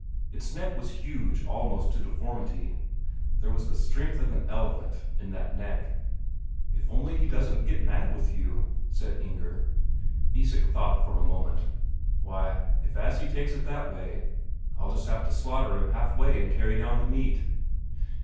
Its neck was huge almost to deformity; there was the strength of an elephant in that neck. "If only he doesn't get mad with you," said Inger. Isak thought for a moment. "Why, if as he takes it that way, I'll just have to slaughter him half way and carry down the meat."